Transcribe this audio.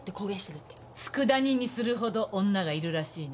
佃煮にするほど女がいるらしいね。